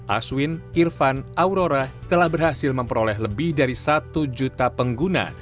aswin irfan aurora telah berhasil memperoleh lebih dari satu juta pengguna